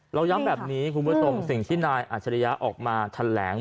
เราย้ำแบบนี้คุณผู้ชมสิ่งที่นายอาจริยะออกมาแถลง